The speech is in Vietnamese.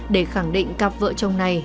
để khẳng định cặp vợ chồng này